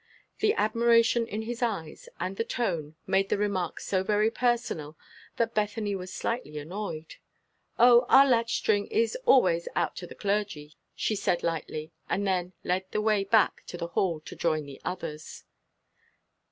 The admiration in his eyes, and the tone, made the remark so very personal that Bethany was slightly annoyed. "O, our latch string is always out to the clergy," she said lightly, and then led the way back to the hall to join the others.